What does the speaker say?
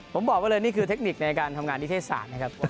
ผมบอกว่าเลยนี่คือเทคนิคในการทำงานนิเทศศาสตร์นะครับ